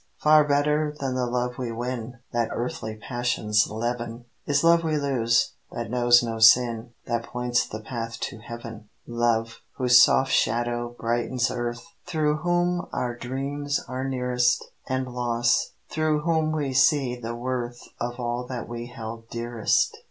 Far better than the love we win, That earthly passions leaven, Is love we lose, that knows no sin, That points the path to Heaven. Love, whose soft shadow brightens Earth, Through whom our dreams are nearest; And loss, through whom we see the worth Of all that we held dearest.